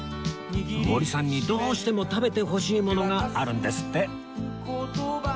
森さんにどうしても食べてほしいものがあるんですって